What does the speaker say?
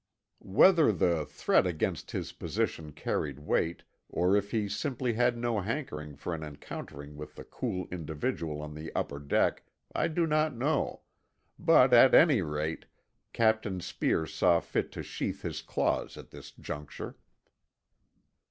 Whether the threat against his position carried weight, or if he simply had no hankering for an encountering with the cool individual on the upper deck, I do not know; but, at any rate, Captain Speer saw fit to sheath his claws at this juncture.